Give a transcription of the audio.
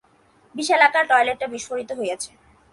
বিশালাকার টয়লেটটা বিস্ফোরিত হয়েছে।